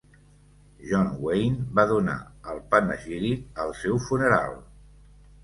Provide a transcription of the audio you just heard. John Wayne va donar el panegíric al seu funeral.